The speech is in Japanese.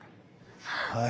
はい。